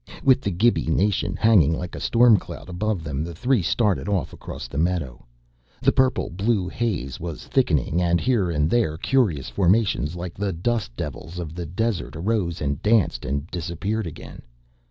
With the Gibi nation hanging like a storm cloud above them, the three started off across the meadow. The purple blue haze was thickening and, here and there, curious formations, like the dust devils of the desert, arose and danced and disappeared again.